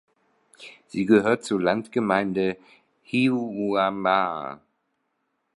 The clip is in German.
Sie gehört zur Landgemeinde Hiiumaa.